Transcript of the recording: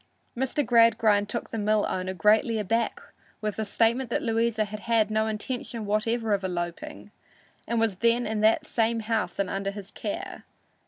Mr. Gradgrind took the mill owner greatly aback with the statement that Louisa had had no intention whatever of eloping and was then in that same house and under his care.